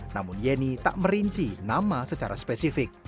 namun yeni tak merinci nama secara spesifik